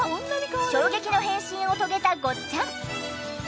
衝撃の変身を遂げたごっちゃん。